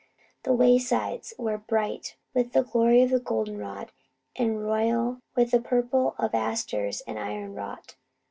The waysides were bright with the glory of goldenrod, and royal with the purple of asters and ironwort.